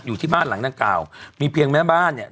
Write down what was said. อยู่ที่บ้านหลังดังกล่าวมีเพียงแม่บ้านเนี่ย